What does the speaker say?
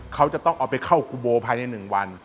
เขาจะต้องออกไปเข้ากุโบทธิ์ภายในหนึ่งวัน